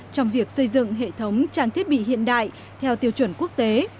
trong việc xây dựng hệ thống trang thiết bị hiện đại theo tiêu chuẩn quốc tế